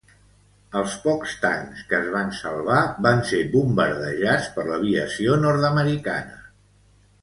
Els pocs tancs que es van salvar van ser bombardejats per l'aviació nord-americana.